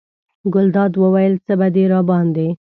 ګلداد وویل: څه به دې راباندې.